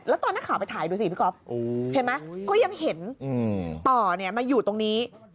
แล้วตอนนักข่าวไปถ่ายดูสิพี่ก๊อฟเห็นไหมก็ยังเห็นต่อมาอยู่ตรงนี้